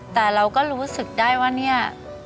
แต่เราก็รู้สึกได้ว่าเนี่ย